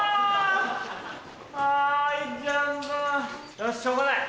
よししょうがない。